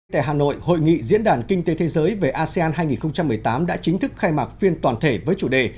tại hà nội hội nghị diễn đàn kinh tế thế giới về asean hai nghìn một mươi tám đã chính thức khai mạc phiên toàn thể với chủ đề